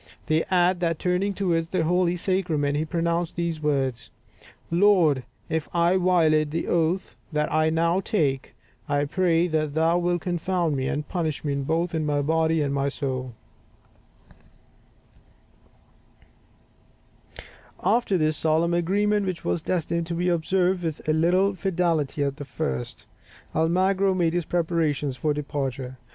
They add that turning towards the holy sacrament, he pronounced these words, "Lord, if I violate the oath that I now take, I pray that Thou wilt confound me, and punish me both in my body and my soul!" [Illustration: Pizarro and Almagro take an oath upon the Host.] After this solemn agreement, which was destined to be observed with as little fidelity as the first, Almagro made his preparations for departure.